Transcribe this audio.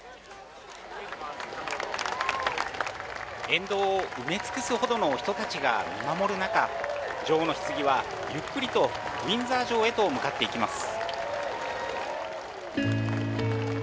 沿道を埋め尽くすほどの人たちが見守る中、女王のひつぎは、ゆっくりとウィンザー城へと向かっていきます。